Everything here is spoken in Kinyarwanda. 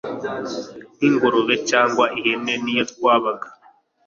nk’ingurube cyangwa ihene niyo twabaga